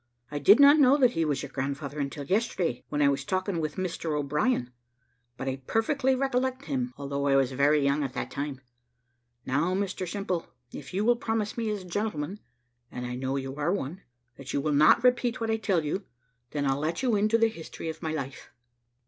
I did not know that he was your grandfather until yesterday, when I was talking with Mr O'Brien; but I perfectly recollect him, although I was very young at that time. Now, Mr Simple, if you will promise me as a gentleman (and I know you are one), that you will not repeat what I tell you, then I'll let you into the history of my life."